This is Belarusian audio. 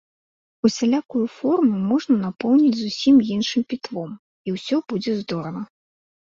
Усялякую форму можна напоўніць зусім іншым пітвом, і ўсё будзе здорава.